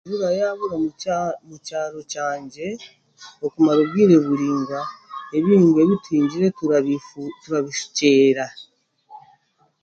Enjura yaabura omu kyaro kyangye okumara obwire buraingwa ebihingwa ebi tuhingire turabishukyera